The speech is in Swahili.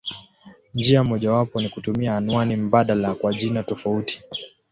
Njia mojawapo ni kutumia anwani mbadala kwa jina tofauti.